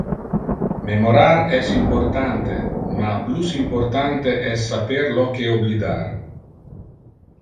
Memorar es importante, ma plus importante es saper lo que oblidar.